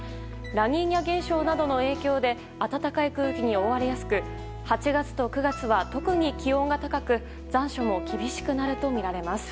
ラニーニャ現象などの影響で暖かい空気に覆われやすく８月と９月は特に気温が高く残暑も厳しくなるとみられます。